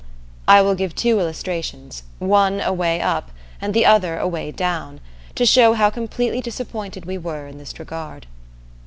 I will give two illustrations, one away up, and the other away down, to show how completely disappointed we were in this regard.